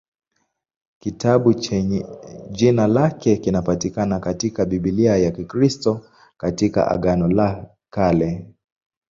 Kitabu chenye jina lake kinapatikana katika Biblia ya Kikristo katika Agano la Kale.